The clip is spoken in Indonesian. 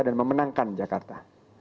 dan memenangkan jakarta